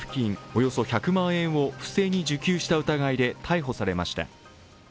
およそ１００万円を不正に受給した疑いで逮捕されました。